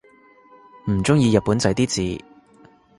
唔中意日本仔啲字